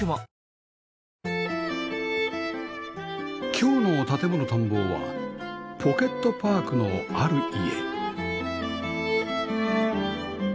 今日の『建もの探訪』はポケットパークのある家